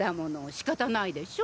しかたないでしょ。